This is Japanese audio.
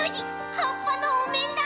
はっぱのおめんだ！